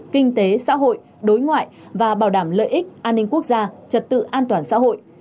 kinh tế xã hội đối ngoại và bảo đảm lợi ích an ninh quốc gia trật tự an toàn xã hội